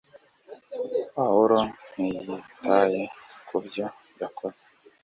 Pawulo ntiyitaye ku byo yakoze